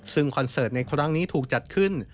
ซึ่งคอนเสิร์ตในครั้งนี้ถูกจัดขึ้น